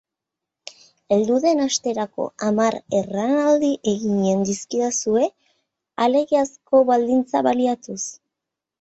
Heldu den asterako hamar erranaldi eginen dizkidazue alegiazko baldintza baliatuz.